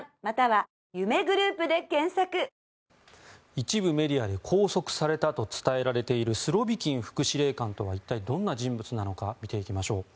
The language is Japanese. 一部メディアで拘束されたと伝えられているスロビキン副司令官とは一体、どんな人物なのか見ていきましょう。